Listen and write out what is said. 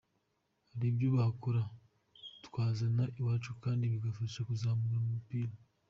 Hari ibyo bakora twazana iwacu kandi bigafasha kuzamura umupira.